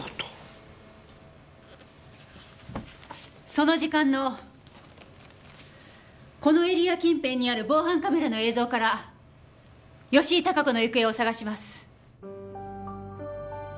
その時間のこのエリア近辺にある防犯カメラの映像から吉井孝子の行方を捜します。